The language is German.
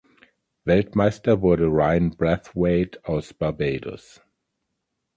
Weltmeister wurde Ryan Brathwaite aus Barbados.